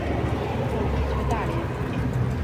后移居大连。